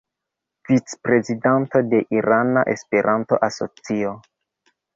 Vicprezidanto de Irana Esperanto-Asocio.